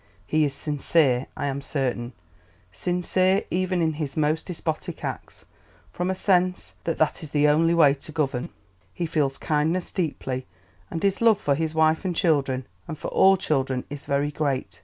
... He is sincere, I am certain, sincere even in his most despotic acts from a sense that that is the only way to govern. ... He feels kindness deeply and his love for his wife and children, and for all children, is very great.